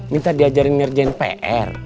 minta diajarin ngerjain pr